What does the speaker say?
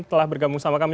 telah bergabung sama kami